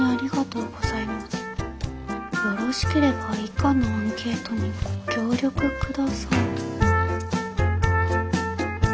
よろしければ以下のアンケートにご協力ください」。